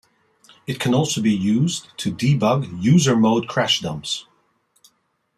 It can also be used to debug user-mode crash dumps.